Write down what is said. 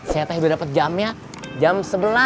setelah dapat jamnya jam sebelas